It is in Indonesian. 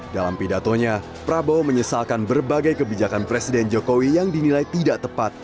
dalam pidatonya prabowo menyesalkan berbagai kebijakan presiden jokowi yang dinilai tidak tepat